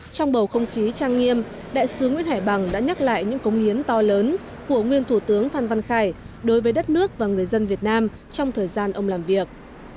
trong bầu không khí trang nghiêm đại sứ nguyễn hải bằng đã nhắc lại những công hiến to lớn của nguyên thủ tướng phan văn khải đối với đất nước và người dân việt nam trong thời gian ông làm việc